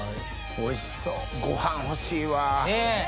おいしそうご飯欲しいわ。ねぇ！